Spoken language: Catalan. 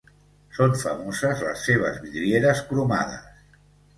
Són famoses les seves vidrieres cromades.